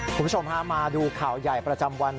คุณผู้ชมฮะมาดูข่าวใหญ่ประจำวัน